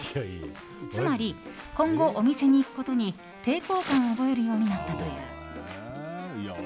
つまり、今後お店に行くことに抵抗感を覚えるようになったという。